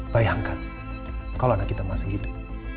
bayangkan kalau anak kita masih hidup